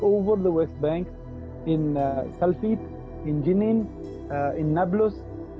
di seluruh bank barat di salfit di jenin di nablus